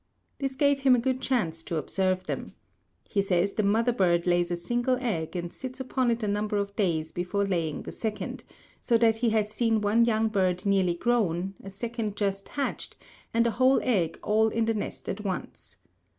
This gave him a good chance to observe them. He says the mother bird lays a single egg and sits upon it a number of days before laying the second, so that he has seen one young bird nearly grown, a second just hatched, and a whole egg all in the nest at once.